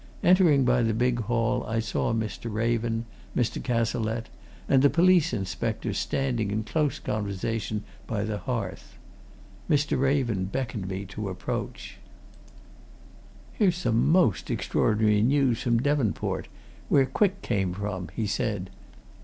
Entering by the big hall, I saw Mr. Raven, Mr. Cazalette, and the police inspector standing in close conversation by the hearth. Mr. Raven beckoned me to approach. "Here's some most extraordinary news from Devonport where Quick came from," he said.